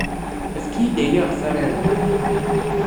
Efk-iyi-d ayen ayɣef ara aruɣ.